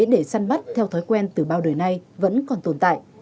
để săn bắt theo thói quen từ bao đời nay vẫn còn tồn tại